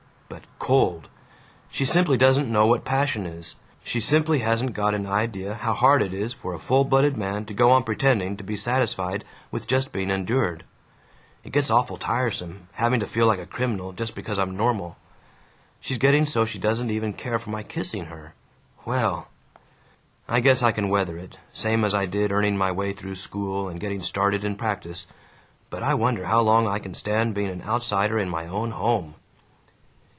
But cold. She simply doesn't know what passion is. She simply hasn't got an í dea how hard it is for a full blooded man to go on pretending to be satisfied with just being endured. It gets awful tiresome, having to feel like a criminal just because I'm normal. She's getting so she doesn't even care for my kissing her. Well "I guess I can weather it, same as I did earning my way through school and getting started in practise. But I wonder how long I can stand being an outsider in my own home?"